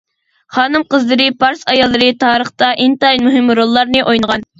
خانىم-قىزلىرى پارس ئاياللىرى تارىختا ئىنتايىن مۇھىم روللارنى ئوينىغان.